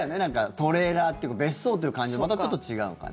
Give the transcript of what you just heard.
トレーラーっていうのは別荘という感じとまたちょっと違うかね。